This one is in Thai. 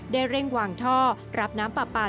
เร่งวางท่อรับน้ำปลาปลา